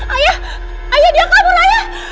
ayah ayah dia kabur ayah